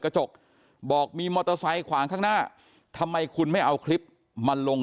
กระจกบอกมีมอเตอร์ไซค์ขวางข้างหน้าทำไมคุณไม่เอาคลิปมาลง